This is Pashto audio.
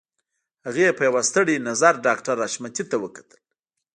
هغې په يوه ستړي نظر ډاکټر حشمتي ته وکتل.